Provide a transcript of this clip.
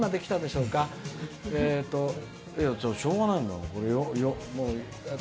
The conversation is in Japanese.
しょうがないもん。